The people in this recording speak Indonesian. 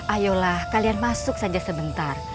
ayolah kalian masuk saja sebentar